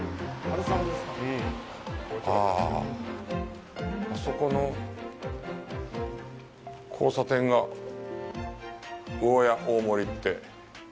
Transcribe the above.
あぁ、あそこの交差点が魚屋大森って。